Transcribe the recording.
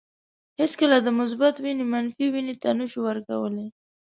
هیڅکله د مثبت وینه منفي وینې ته نشو ورکولای.